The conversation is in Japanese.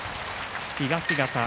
東方